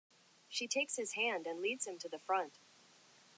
She takes his hand and leads him to the front.